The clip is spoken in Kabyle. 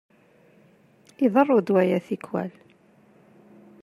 Iḍerru-d waya tikkwal.